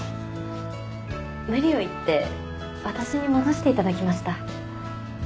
無理を言って私に戻していただきました。